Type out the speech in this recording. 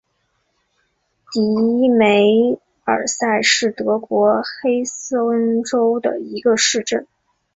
迪梅尔塞是德国黑森州的一个市镇。